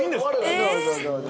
◆どうぞどうぞ。